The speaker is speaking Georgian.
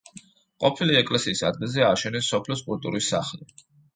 ყოფილი ეკლესიის ადგილზე ააშენეს სოფლის კულტურის სახლი.